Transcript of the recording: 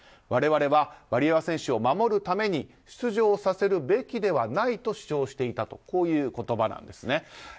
我々はワリエワ選手を守るために出場させるべきではないと主張していたこういう言葉なんですね。